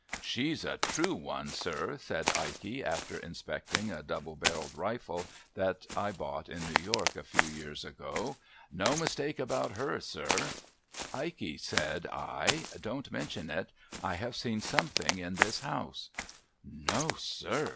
'Sac's a true one, sir,' said Ikey, after inspecting a double P 210 THE HAUNTED HOUSE barrelled rifle that I bought in New York a few years ago. ' No niislakc about Jicr, sir,' 'Ikey,' said I, 'don't mention it; I have seen something in this house' 'No, sir?'